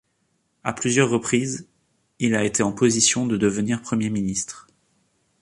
À plusieurs reprises, il a été en position de devenir Premier ministre.